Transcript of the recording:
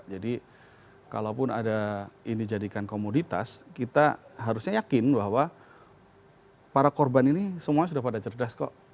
jadi kalaupun ada ini dijadikan komunitas kita harusnya yakin bahwa para korban ini semua sudah pada cerdas kok